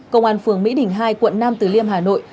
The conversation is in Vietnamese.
công an phường mỹ đình hai quận năm tứ liêm hà nội